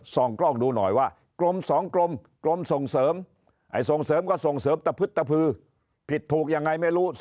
ซองกล้องดูหน่อยว่ากรมสองกรมกรมส่งเสริม